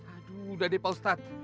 aduh dade pak ustadz